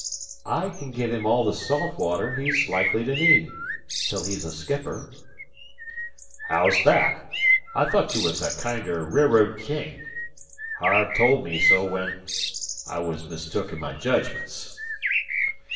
"I can give him all the salt water he's likely to need till he's a skipper." "Haow's that? I thought you wuz a kinder railroad king. Harve told me so when I was mistook in my jedgments."